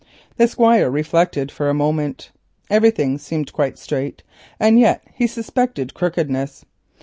The Squire reflected for a moment. Everything seemed quite straight, and yet he suspected crookedness.